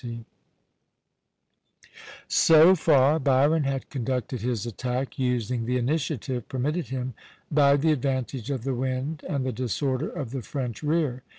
D'ESTAING AND BYRON JULY 6, 1779] So far Byron had conducted his attack, using the initiative permitted him by the advantage of the wind and the disorder of the French rear.